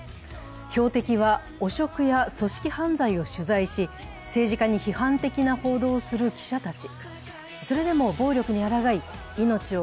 標的は汚職や組織犯罪を取材し、政治家に批判的な報道をする記者たち。